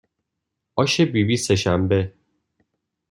آش بیبی سهشنبه